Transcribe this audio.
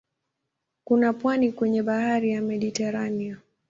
Kuna pwani kwenye bahari ya Mediteranea.